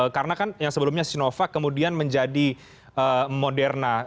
karena kan yang sebelumnya sinovac kemudian menjadi moderna